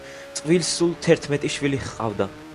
წყვილს სულ თერთმეტი შვილი ჰყავდა.